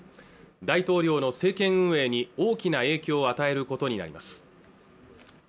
大統領の政権運営に大きな影響を与えることになります